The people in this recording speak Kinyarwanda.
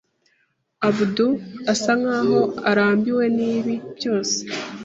Abdul asa nkaho arambiwe nibi byose.